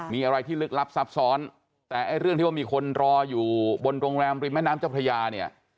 มีอะไรที่ลึกลับซับซ้อนแต่ไอ้เรื่องที่ว่ามีคนรออยู่บนโรงแรมริมแม่น้ำเจ้าพระยาเนี่ย